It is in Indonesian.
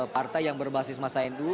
partai yang berbasis mas aindu